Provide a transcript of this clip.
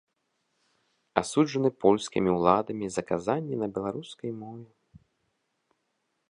Асуджаны польскімі ўладамі за казанні на беларускай мове.